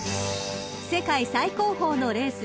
［世界最高峰のレース